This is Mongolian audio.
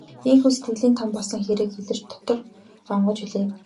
Ийнхүү сэтгэлийн там болсон хэрэг илэрч дотор онгойж билээ.